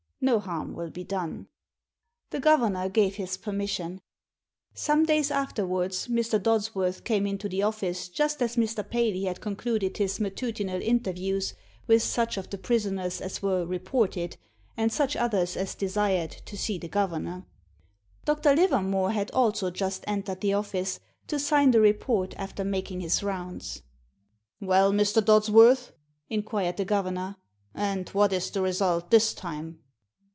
No harm will be done." The governor gave his permission. Some days afterwards Mr. Dodsworth came into the office just as Mr. Paley had concluded his matutinal interviews with such of the prisoners as were " reported," and such others as desired "to see the governor." Dr. Livermore had also just entered the office to sign the report after making his rounds. "Well, Mr. Dodsworth," inquired the governor, "and what is the result this time?"